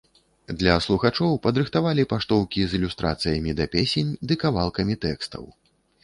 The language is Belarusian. Для слухачоў падрыхтавалі паштоўкі з ілюстрацыямі да песень ды кавалкамі тэкстаў.